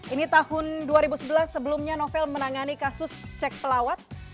ini tahun dua ribu sebelas sebelumnya novel menangani kasus cek pelawat